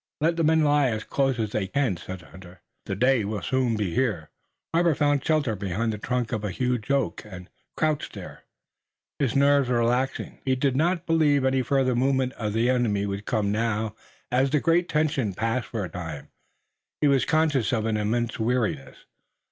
"Let the men lie as close as they can," said the hunter. "The day will soon be here." Robert found shelter behind the trunk of a huge oak, and crouched there, his nerves relaxing. He did not believe any further movement of the enemy would come now. As the great tension passed for a time he was conscious of an immense weariness.